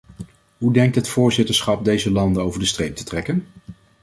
Hoe denkt het voorzitterschap deze landen over de streep te trekken?